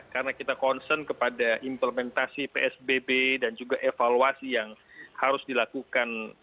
karena kita konsen kepada implementasi psbb dan juga evaluasi yang harus dilakukan